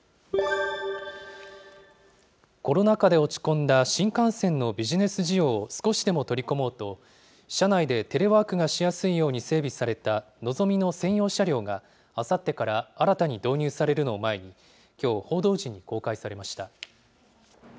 コロナ禍で落ち込んだ新幹線のビジネス需要を少しでも取り込もうと、車内でテレワークがしやすいように整備されたのぞみの専用車両が、あさってから新たに導入されるのを前に、きょう、報道陣に公開されました。